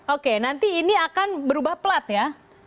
oke nanti ini akan berubah pelat ya